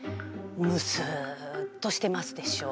むすっとしてますでしょ。